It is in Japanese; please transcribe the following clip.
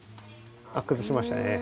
くずしましたね。